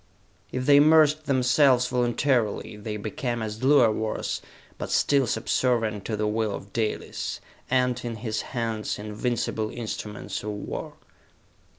If they immersed themselves voluntarily, they became as Luar was, but still subservient to the will of Dalis and, in his hands, invincible instruments of war!